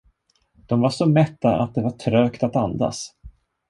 De var så mätta att det var trögt att andas.